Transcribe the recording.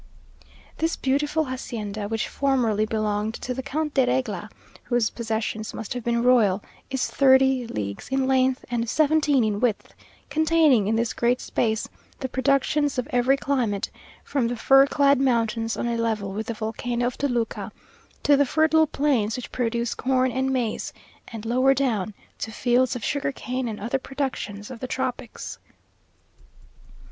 This beautiful hacienda, which formerly belonged to the Count de Regla, whose possessions must have been royal, is thirty leagues in length and seventeen in width containing in this great space the productions of every climate, from the fir clad mountains on a level with the volcano of Toluca, to the fertile plains which produce corn and maize; and lower down, to fields of sugar cane and other productions of the tropics.